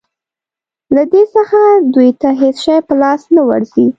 له دې څخه دوی ته هېڅ شی په لاس نه ورځي.